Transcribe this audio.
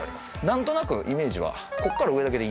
何となくイメージは。